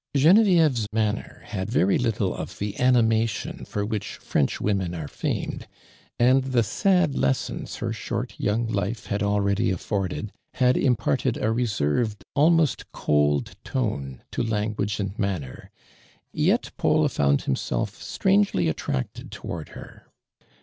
Genevieve's manner hatl very little of the animation for which French women are famed, and tlie sad lessons her short, young life had already attbrded, had iniparte«l a reserved, almost cold tone to language and manner, yet Paul felt himself strangely at tracted toward her.